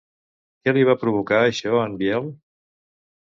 Què li va provocar això a en Biel?